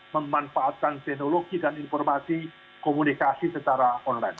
memanfaatkan teknologi dan informasi komunikasi secara online